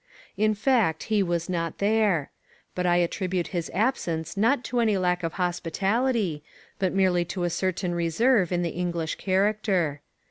In fact he was not there. But I attribute his absence not to any lack of hospitality but merely to a certain reserve in the English character.